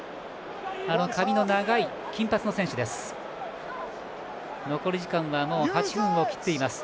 髪の長い金髪の選手です。